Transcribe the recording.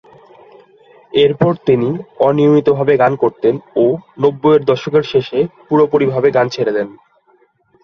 এরপর তিনি অনিয়মিত ভাবে গান করতেন ও নব্বইয়ের দশকের শেষে পুরোপুরি গান ছেড়ে দেন।